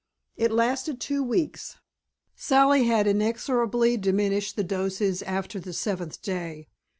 It lasted two weeks. Sally had inexorably diminished the doses after the seventh day.